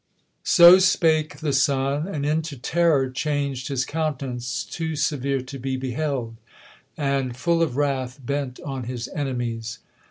SO spake the Son, and into teiTor chang'd His count'nance, too severe to be beheld ; And full of wrath bent on his enemies.